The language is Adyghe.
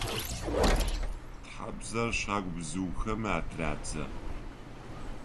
Тхьабзэр щагу бзыухэми атырадзэ.